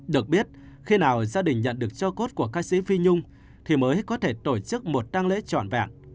được biết khi nào gia đình nhận được cho cốt của ca sĩ phi nhung thì mới có thể tổ chức một tăng lễ trọn vẹn